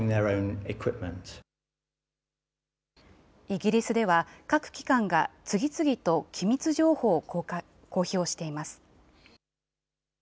イギリスでは、各機関が次々と機密情報を公表しています。